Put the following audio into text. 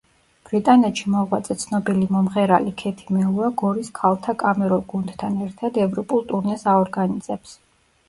ბრიტანეთში მოღვაწე ცნობილი მომღერალი ქეთი მელუა გორის ქალთა კამერულ გუნდთან ერთად ევროპულ ტურნეს აორგანიზებს.